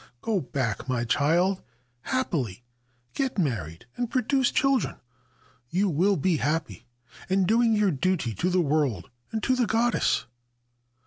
Go back, my child, happily ; get married and produce children. You will be happy and doing your duty to the world and to the goddess.